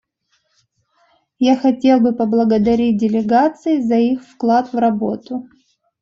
Я хотел бы поблагодарить делегации за их вклад в работу.